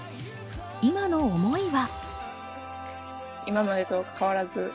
今の思いは。